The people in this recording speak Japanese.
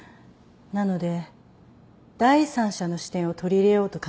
なので第三者の視点を取り入れようと考えたのです。